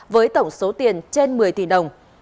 với tổng số tiền trên một mươi tỷ đồng